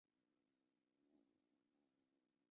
沙雷人口变化图示